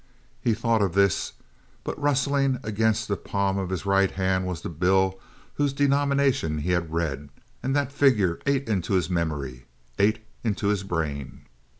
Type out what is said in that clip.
He thought of this, but rustling against the palm of his right hand was the bill whose denomination he had read, and that figure ate into his memory, ate into his brain.